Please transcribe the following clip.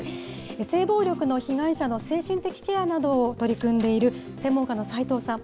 性暴力の被害者の精神的ケアなどに取り組んでいる専門家の齋藤さん。